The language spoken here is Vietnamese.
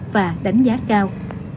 và đánh giá cao